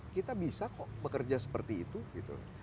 kita bisa kok bekerja seperti itu gitu